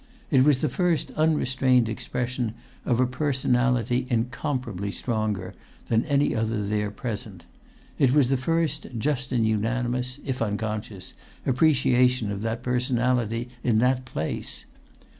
It was the first unrestrained expression of a personality incomparably stronger than any other there present; it was the first just and unanimous—if unconscious—appreciation of that personality in that place.